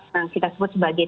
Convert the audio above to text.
yang kita sebut sebagai